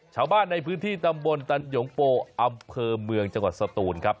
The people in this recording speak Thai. ชาวบ้านในพื้นที่ตำบลตันหยงโปอำเภอเมืองจังหวัดสตูนครับ